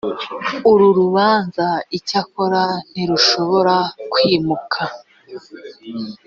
uru rubanza icyakora ntirushobora kwimuka